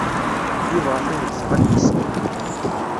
Yuba atan deg tɣellist.